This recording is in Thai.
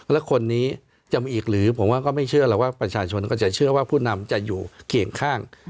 แล้วคนนี้จะมีอีกหรือผมว่าก็ไม่เชื่อหรอกว่าประชาชนก็จะเชื่อว่าผู้นำจะอยู่เคียงข้าง